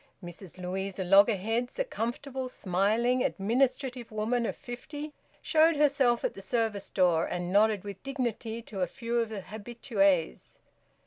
Mrs Louisa Loggerheads, a comfortable, smiling administrative woman of fifty, showed herself at the service door, and nodded with dignity to a few of the habitues.